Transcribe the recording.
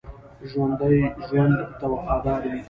ژوندي ژوند ته وفادار وي